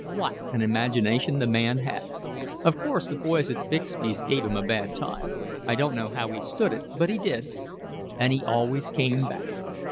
What an imagination the man had! Of course, the boys at Bixby's gave him a bad time; I don't know how he stood it, but he did. And he always came back.